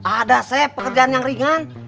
ada saya pekerjaan yang ringan